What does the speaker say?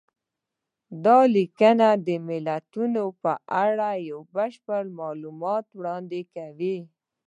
دا لیکنه د متلونو په اړه یو بشپړ معلومات وړاندې کوي